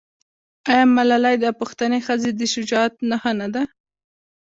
آیا ملالۍ د پښتنې ښځې د شجاعت نښه نه ده؟